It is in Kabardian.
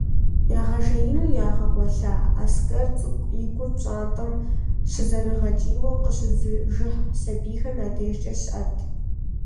Ягъэжеину ягъэгъуэлъа Аскэр цӏыкӏу и гур пщантӏэм щызэрыгъэкӏийуэ къыщызыжыхь сэбийхэм я дежкӏэ щыӏэт.